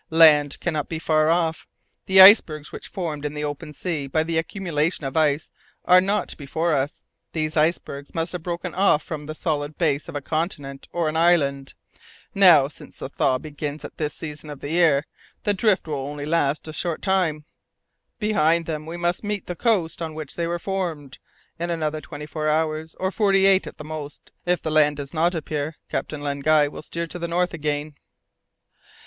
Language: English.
Land cannot be far off. The icebergs which are formed in the open sea by the accumulation of ice are not before us. These icebergs must have broken off from the solid base of a continent or an island. Now, since the thaw begins at this season of the year, the drift will last for only a short time. Behind them we must meet the coast on which they were formed. In another twenty four hours, or forty eight at the most, if the land does not appear, Captain Len Guy will steer to the north again!"